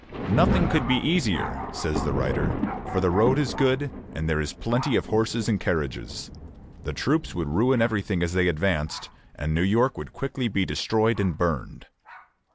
"Nothing could be easier," says the writer, "for the road is good, and there is plenty of horses and carriages. The troops would ruin everything as they advanced, and New York would quickly be destroyed and burned."